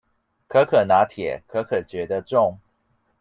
可可拿鐵，可可覺得重